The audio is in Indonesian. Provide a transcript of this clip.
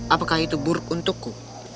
apakah itu buruk untukku